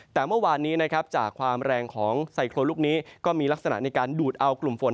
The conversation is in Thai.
แต่เมื่อวานนี้นะครับจากความแรงของไซโครนลูกนี้ก็มีลักษณะในการดูดเอากลุ่มฝน